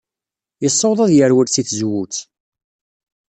Yessaweḍ ad yerwel seg tzewwut.